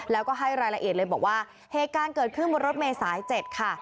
แล้วก็ให้รายละเอียดเลยบอกว่าเหตุการณ์เกิดขึ้นบนรถเมษาย๗ค่ะ